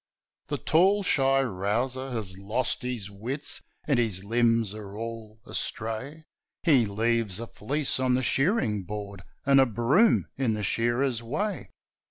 The tall, shy rouser has lost his wits, And his limbs are all astray ; He leaves a fleece on the shearing board, And his broom in the shearer's way.